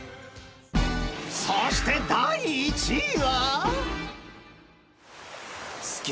［そして第１位は］